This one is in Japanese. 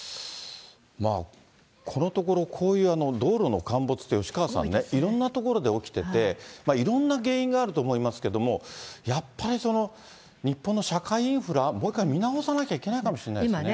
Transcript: このところ、こういう道路の陥没という、吉川さんね、いろんな所で起きてて、いろんな原因があると思いますけれども、やっぱり、日本の社会インフラ、もう一回見直さなきゃいけないかもしれないですね。